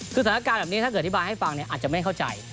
คือศาลากรรมแบบนี้ถ้าเกิดที่บาลย์ให้ฟังอาจจะไม่เข้าใจ